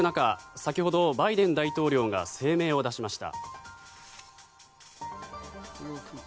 先ほどバイデン大統領が声明を出しました。